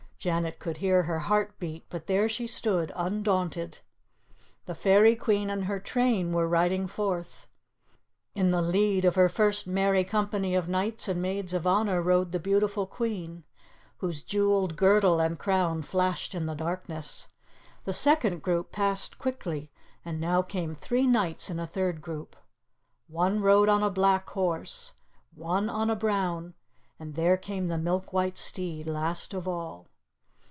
Janet could hear her heart beat, but there she stood, undaunted. The Fairy Queen and her train were riding forth. In the lead of her first merry company of knights and maids of honour rode the beautiful queen, whose jeweled girdle and crown flashed in the darkness. The second group passed quickly, and now came three knights in a third group. One rode on a black horse, one on a brown, and there came the milk white steed last of all.